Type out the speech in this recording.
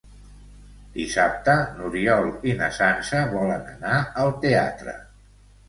Dissabte n'Oriol i na Sança volen anar al teatre.